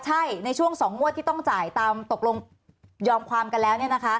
ใช่ในช่วง๒งวดที่ต้องจ่ายตามตกลงยอมความกันแล้ว